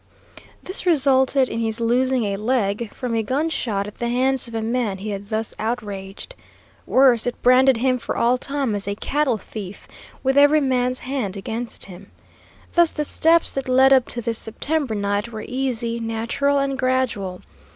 This resulted in his losing a leg from a gunshot at the hands of a man he had thus outraged. Worse, it branded him for all time as a cattle thief, with every man's hand against him. Thus the steps that led up to this September night were easy, natural, and gradual.